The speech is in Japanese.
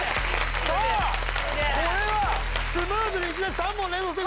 さぁこれはスムーズにいきなり３問連続正解。